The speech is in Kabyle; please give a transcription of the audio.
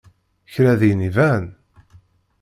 Kra din iban?